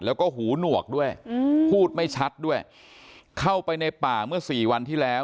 แล้วก็หูหนวกด้วยอืมพูดไม่ชัดด้วยเข้าไปในป่าเมื่อสี่วันที่แล้ว